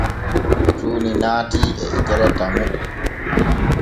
Tuuni naatii e itere Tamu.